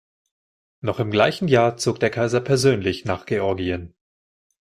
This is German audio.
Noch im gleichen Jahr zog der Kaiser persönlich nach Georgien.